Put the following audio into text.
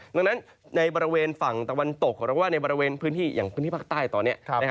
ดังนั้นในบริเวณฝั่งตะวันตกหรือว่าในบริเวณพื้นที่อย่างพื้นที่ภาคใต้ตอนนี้